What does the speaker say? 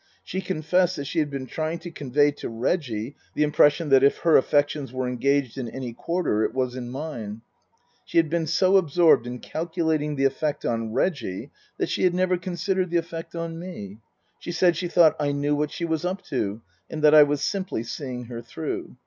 She confessed that she had been trying to convey to Reggie the impression that if her affections were engaged in any quarter it was in mine. She had been so absorbed in calculating the effect on Reggie that she had never considered the effect on me. She said she thought I knew what she was up to and that I was simply seeing her through.